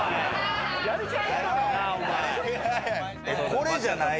これじゃない？